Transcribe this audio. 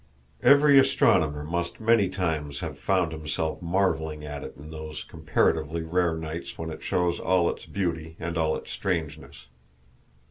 Every astronomer must many times have found himself marveling at it in those comparatively rare nights when it shows all its beauty and all its strangeness.